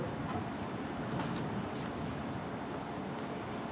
chủ tịch hà nội